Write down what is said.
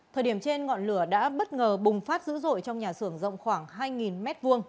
thời điểm trên ngọn lửa đã bất ngờ bùng phát dữ dội trong nhà xưởng rộng khoảng hai m hai